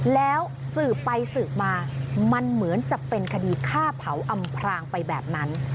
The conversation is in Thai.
แล้วสืบไปสืบมามันเหมือนจะเป็นคดีฆ่าเผาอำพรางไปแบบนั้น